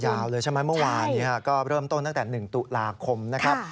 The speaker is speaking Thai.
ยาวเลยใช่ไหมเมื่อวานนี้ก็เริ่มต้นตั้งแต่๑ตุลาคมนะครับ